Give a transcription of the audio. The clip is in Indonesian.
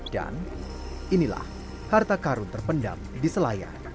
dan inilah harta karun terpendam di selayar